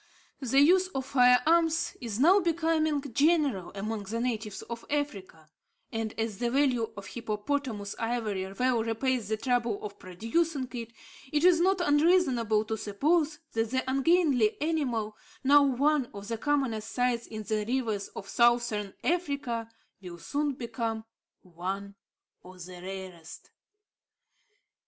The use of fire arms is now becoming general among the natives of Africa; and, as the value of hippopotamus ivory well repays the trouble of procuring it, it is not unreasonable to suppose that the ungainly animal, now one of the commonest sights in the rivers of Southern Africa, will soon become one of the rarest.